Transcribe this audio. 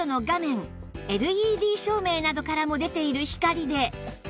ＬＥＤ 照明などからも出ている光で